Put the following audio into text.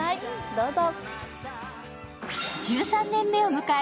どうぞ。